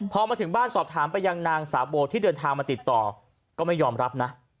พอมาถึงบ้านสอบถามไปยังนางสาวโบที่เดินทางมาติดต่อก็ไม่ยอมรับนะ